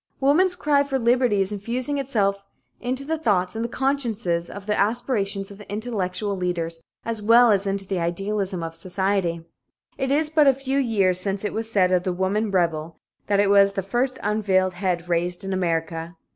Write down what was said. Woman's cry for liberty is infusing itself into the thoughts and the consciences and the aspirations of the intellectual leaders as well as into the idealism of society. It is but a few years since it was said of The Woman Rebel that it was "the first un veiled head raised in America."